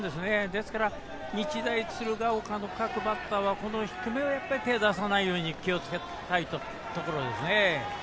ですから、日大鶴ヶ丘の各バッターは、この低めを手を出さないように気をつけたいところですね。